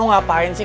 nah si air disini